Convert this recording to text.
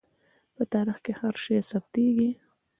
په تاریخ کې هر شی ثبتېږي.